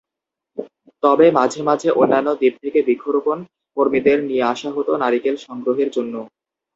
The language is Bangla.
তবে মাঝে মাঝে অন্যান্য দ্বীপ থেকে বৃক্ষরোপণ কর্মীদের নিয়ে আসা হতো নারিকেল সংগ্রহের জন্য।